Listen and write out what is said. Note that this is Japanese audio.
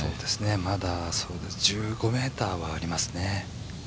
まだ１５ｍはありますね。